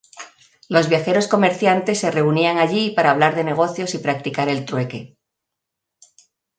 Los viajeros comerciantes se reunían allí para hablar de negocios y practicar el trueque.